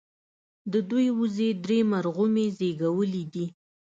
د دوي وزې درې مرغومي زيږولي دي